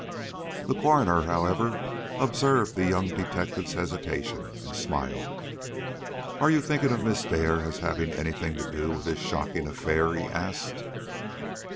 The coroner, however, observed the young detective's hesitation, and smiled. "Are you thinking of Miss Dare as having any thing to do with this shocking affair?" he asked.